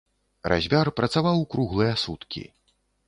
Разьбяр працаваў круглыя суткі.